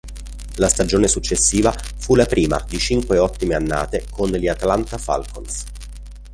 La stagione successiva fu la prima di cinque ottime annate con gli Atlanta Falcons.